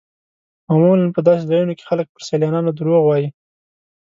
معمولا په داسې ځایونو کې خلک پر سیلانیانو دروغ وایي.